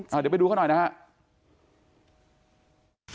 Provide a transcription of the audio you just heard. เดี๋ยวไปดูเขาหน่อยนะครับ